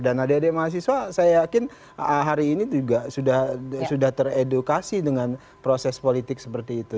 dan adik adik mahasiswa saya yakin hari ini juga sudah teredukasi dengan proses politik seperti itu